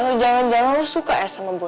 kalau jalan jalan lo suka ya sama boy